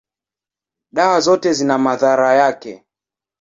dawa zote zina madhara yake.